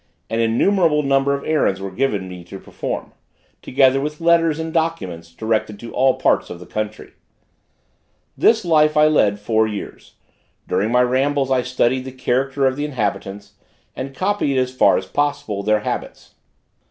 An innumerable number of errands were given me to perform, together with letters and documents directed to all parts of the country. This life I led four years; during my rambles I studied the character of the inhabitants, and copied, as far as possible, their habits.